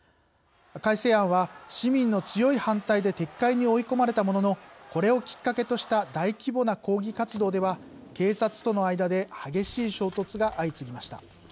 改正案は市民の強い反対で撤回に追い込まれたもののこれをきっかけとした大規模な抗議活動では警察との間で激しい衝突が相次ぎました。